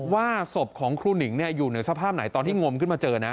ว่าศพของครูหนิงอยู่ในสภาพไหนตอนที่งมขึ้นมาเจอนะ